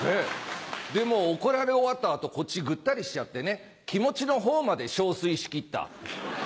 で怒られ終わった後こっちぐったりしちゃってね気持ちの方までショウスイしきった。